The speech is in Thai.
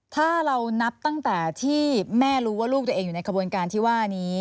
ถ้าเรานับตั้งแต่ที่แม่รู้ว่าลูกตัวเองอยู่ในขบวนการที่ว่านี้